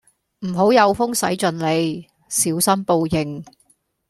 唔好有風使盡 𢃇， 小心報應